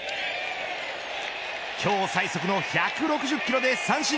今日最速の１６０キロで三振。